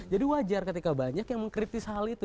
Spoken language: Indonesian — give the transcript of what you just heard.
jadi wajar ketika banyak yang mengkritis hal itu